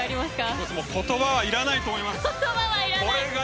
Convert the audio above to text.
言葉はいらないと思います。